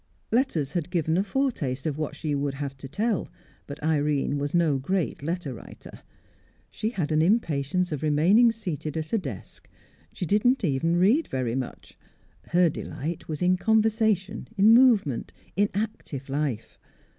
Letters had given a foretaste of what she would have to tell, but Irene was no great letter writer. She had an impatience of remaining seated at a desk. She did not even read very much. Her delight was in conversation, in movement, in active life.